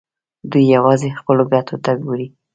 دوی یوازې خپلو ګټو ته ګوري.